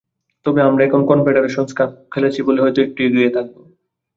তবে আমরা এখানে কনফেডারেশনস কাপ খেলেছি বলে হয়তো একটু এগিয়ে থাকব।